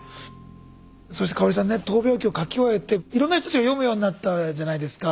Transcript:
そして香さんね闘病記を書き終えていろんな人たちが読むようになったじゃないですか。